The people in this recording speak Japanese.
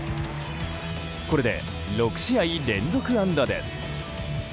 これで６試合連続安打です。